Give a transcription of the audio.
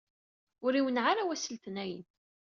Ur iwenneɛ ara wass n letnayen.